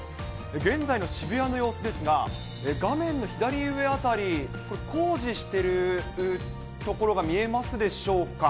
現在の渋谷の様子ですが、画面の左上辺り、工事している所が見えますでしょうか。